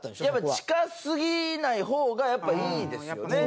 近すぎない方がやっぱいいですよね。